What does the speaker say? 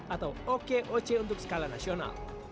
atau okoc untuk skala nasional